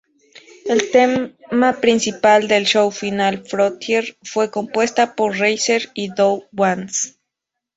El tema principal del show, "Final Frontier", fue compuesta por Reiser y Don Was.